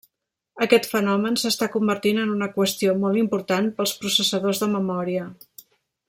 Aquest fenomen s'està convertint en una qüestió molt important pels processadors de memòria.